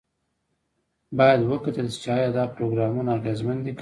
باید وکتل شي چې ایا دا پروګرامونه اغیزمن دي که نه.